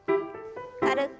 軽く。